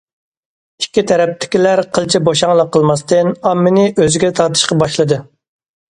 ئىككى تەرەپتىكىلەر قىلچە بوشاڭلىق قىلماستىن، ئاممىنى ئۆزىگە تارتىشقا باشلىدى.